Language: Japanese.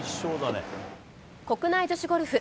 国内女子ゴルフ。